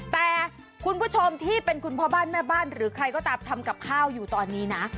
แต่คุณผู้ชมที่เป็นคุณพ่อบ้านแม่บ้านหรือใครก็ตามทำกับข้าวอยู่ตอนนี้นะ